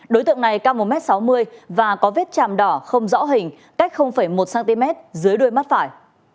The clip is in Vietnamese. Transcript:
đối tượng này cao một m sáu mươi và có vết chàm đỏ không rõ hình cách một cm dưới đuôi mắt phải